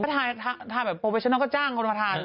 ถ้าทำแบบโปรเวชนัลก็จ้างคุณประธาน